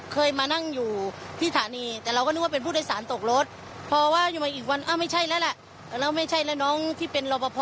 คุณผู้ชมมีชาวบ้านคนหนึ่งเที่ยวก็เห็นเหตุการณ์แนะ